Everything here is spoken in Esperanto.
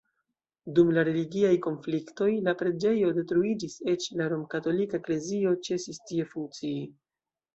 Dum la religiaj konfliktoj la preĝejo detruiĝis, eĉ la romkatolika eklezio ĉesis tie funkcii.